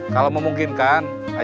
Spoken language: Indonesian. kalau memungkinkan ajak boy